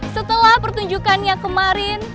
setelah pertunjukannya kemarin